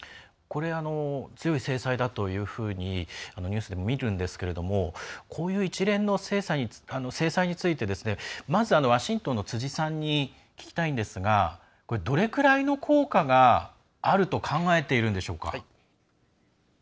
これは強い制裁だというふうにニュースでも見るんですがこういう一連の制裁についてまずワシントンの辻さんに聞きたいんですがどれぐらいの効果があると考えているんでしょうか。